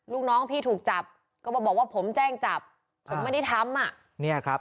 ลูกน้องพี่ถูกจับก็บอกว่าผมแจ้งจับผมไม่ได้ทำ